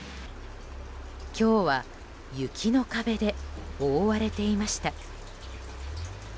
今日は雪の壁で覆われていました。